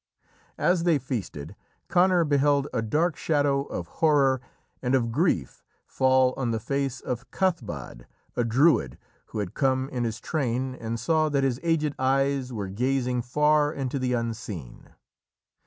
As they feasted, Conor beheld a dark shadow of horror and of grief fall on the face of Cathbad, a Druid who had come in his train, and saw that his aged eyes were gazing far into the Unseen.